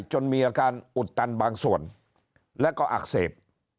จนมีอาการอุดตันบางส่วนและก็อักเสบ